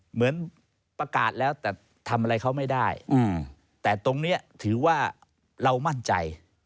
เหมือนประกาศแล้วแต่ทำอะไรเขาไม่ได้แต่ตรงนี้ถือว่าเรามั่นใจ